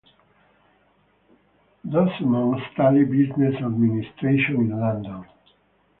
Dosunmu studied business administration in London.